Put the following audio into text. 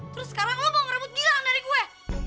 terus sekarang kamu mau ngerebut gilang dari gue